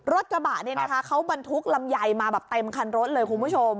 รถกระบะเนี่ยนะคะเขาบรรทุกลำไยมาแบบเต็มคันรถเลยคุณผู้ชม